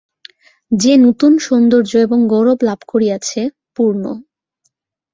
যে নূতন সৌন্দর্য এবং গৌরব লাভ করিয়াছে– পূর্ণ।